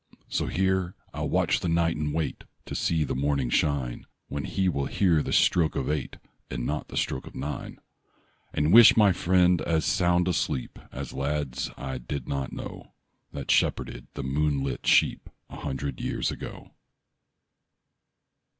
So here I'll watch the night and wait To see the morning shine, When he will hear the stroke of eight And not the stroke of nine; And wish my friend as sound a sleep As lads' I did not know, That shepherded the moonlit sheep A hundred years ago.